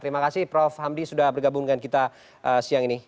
terima kasih prof hamdi sudah bergabung dengan kita siang ini